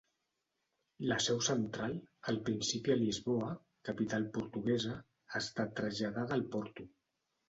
La seu central, al principi a Lisboa, capital portuguesa, ha estat traslladada al Porto.